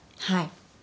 はい。